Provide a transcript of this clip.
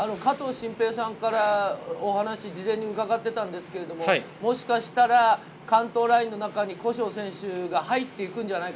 加藤慎平さんからお話し、事前に伺ってたんですけど、もしかしたら関東ラインの中に古性選手が入っていくんじゃないか。